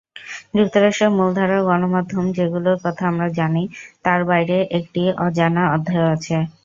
যুক্তরাষ্ট্রের মূলধারার গণমাধ্যম, যেগুলোর কথা আমরা জানি, তার বাইরে একটি অজানা অধ্যায়ও আছে।